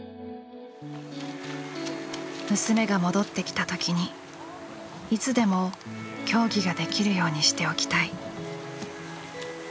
「娘が戻って来た時にいつでも競技ができるようにしておきたい」。